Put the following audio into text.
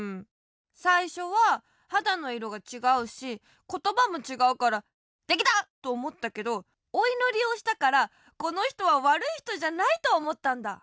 さいしょははだのいろがちがうしことばもちがうから「てきだ！」とおもったけどおいのりをしたから「このひとはわるいひとじゃない」とおもったんだ。